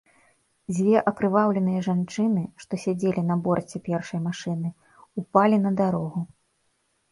Дзве акрываўленыя жанчыны, што сядзелі на борце першай машыны, упалі на дарогу.